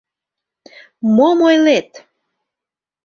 Мом ойлет!..